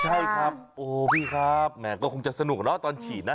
ใช่ครับโอ้พี่ครับแหมก็คงจะสนุกเนอะตอนฉีดนะ